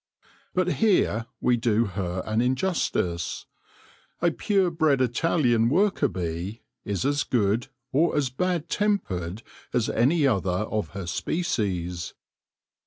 But here we do her an injustice : a pure bred Italian worker bee is as good or as bad tempered as any other of her species.